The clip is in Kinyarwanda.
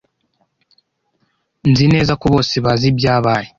Nzi neza ko bose bazi ibyabaye.